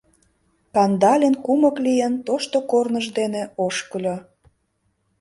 Кандалин, кумык лийын, тошто корныж дене ошкыльо.